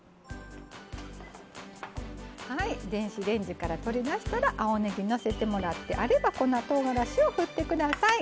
電子レンジから取り出したら青ねぎのせてもらってあれば粉とうがらしを振ってください。